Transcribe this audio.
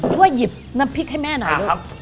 ช่วยหยิบน้ำพริกให้แม่หน่อยลูก